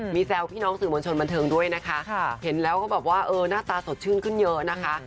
มีแซวพี่น้องสื่อมวลชนบันเทิงด้วยนะคะเห็นแล้วก็แบบว่าเออหน้าตาสดชื่นขึ้นเยอะนะคะ